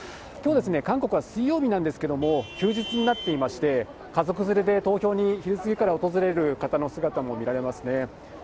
きょう、韓国は水曜日なんですけれども、休日になっていまして、家族連れで投票に、昼過ぎから訪れる方の姿も見られますね。